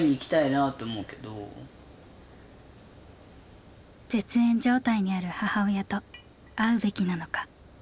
絶縁状態にある母親と会うべきなのか悩んでいました。